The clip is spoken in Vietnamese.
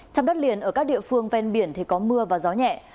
trong đất liền ở các địa phương ven biển thì có mưa và gió nhẹ